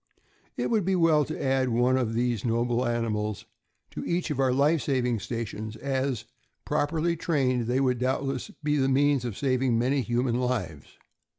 It would be well to add one of these noble animals to each of our life saving stations, as, properly trained, they would doubtless be the means of saving many human lives.